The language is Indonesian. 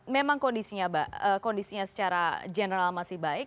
memang kondisinya secara general masih baik